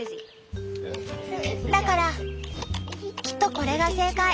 だからきっとこれが正解。